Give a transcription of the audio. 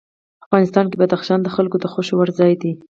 افغانستان کې بدخشان د خلکو د خوښې وړ ځای دی.